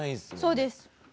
そうです。